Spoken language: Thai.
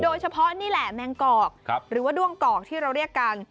นี่แหละแมงกอกหรือว่าด้วงกอกที่เราเรียกกัน